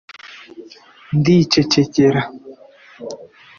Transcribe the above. Ndicecekela